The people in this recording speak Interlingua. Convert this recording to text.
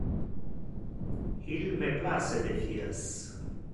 Il me place defias.